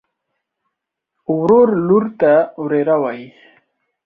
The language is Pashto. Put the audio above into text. ورور لور ته وريره وايي.